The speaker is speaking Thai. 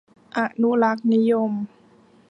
อนุรักษนิยม